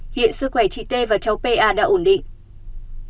hiện sức khỏe chị t và cháu pa đã ổn định